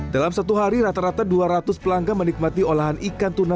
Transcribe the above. dalam satu hari rata rata dua ratus pelanggan menikmati olahan ikan tuna